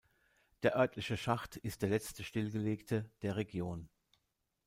Der örtliche Schacht ist der letzte stillgelegte der Region.